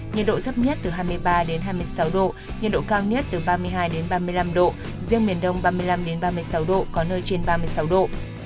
nhiệt độ thấp nhất từ hai mươi ba đến hai mươi sáu độ nhiệt độ cao nhất từ ba mươi hai ba mươi năm độ riêng miền đông ba mươi năm ba mươi sáu độ có nơi trên ba mươi sáu độ